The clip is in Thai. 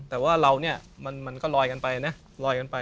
แต่ว่าเราเนี่ยมันก็ลอยกันไปนะ